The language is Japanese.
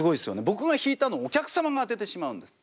僕が引いたのをお客様が当ててしまうんです。